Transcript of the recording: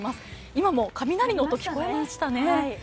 今も雷の音が聞こえましたね。